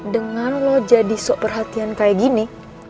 dengan lo jadi sok perhatian kayak gini